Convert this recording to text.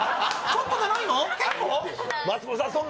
松本さん